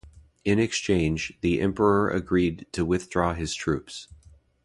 In exchange, the emperor agreed to withdraw his troops.